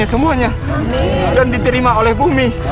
ya udah kita berdoa kepada allah allah